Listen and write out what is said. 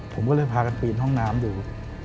ผมก็เลยพากันปีนห้องน้ำดู